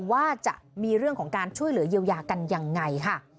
ว่าจะมีเรื่องของการช่วยเหลือเยียวยากันยังไงค่ะ